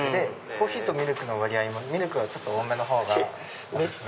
コーヒーとミルクの割合もミルクが多めのほうがお薦め。